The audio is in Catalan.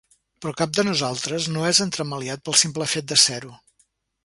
Però cap de nosaltres no és entremaliat pel simple fet de ser-ho.